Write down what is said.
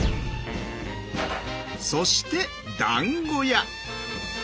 そしてだんご屋！